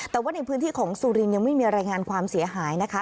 แต่ว่าในพื้นที่ของสุรินทร์ยังไม่มีรายงานความเสียหายนะคะ